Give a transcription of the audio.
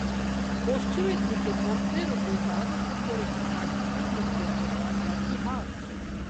পশ্চিমের দিকে পদ্মের উপর দাঁড়ানো সুন্দর একটি কার্তিকেয় মূর্তি আছে যার চারটি হাত।